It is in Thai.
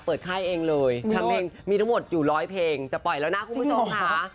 ค่ายเองเลยทำเพลงมีทั้งหมดอยู่ร้อยเพลงจะปล่อยแล้วนะคุณผู้ชมค่ะ